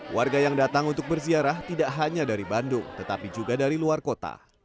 warga yang datang untuk berziarah tidak hanya dari bandung tetapi juga dari luar kota